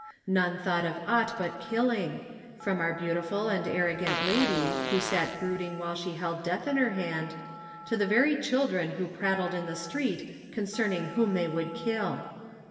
None thought of aught but killing, from our beautiful and arrogant lady, who sat brood ing while she held death in her hand, to the very children who prattled in the street con cerning whom they would kill.